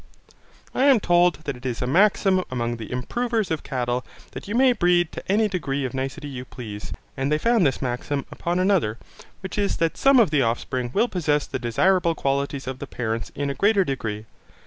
I am told that it is a maxim among the improvers of cattle that you may breed to any degree of nicety you please, and they found this maxim upon another, which is that some of the offspring will possess the desirable qualities of the parents in a greater degree.